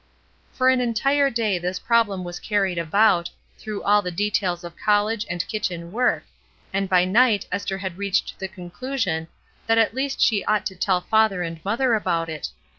For an entire day this problem was carried about, through all the details of college and kitchen work, and by night Esther had reached the conclusion that at least she ought to tell mother and father about it.